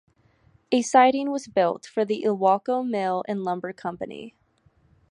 A siding was built for the Ilwaco Mill and Lumber Company.